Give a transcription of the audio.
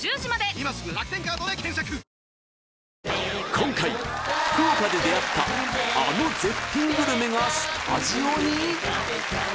今回福岡で出会ったあの絶品グルメがスタジオに！